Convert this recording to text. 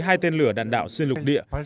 hai tên lửa đạn đạo xuyên lục điện